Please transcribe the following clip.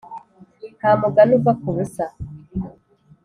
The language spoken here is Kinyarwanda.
Nta mugani uva ku busa.